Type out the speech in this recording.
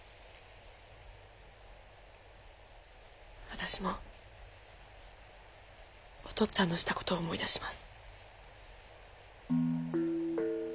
私もお父っつぁんのした事を思い出します。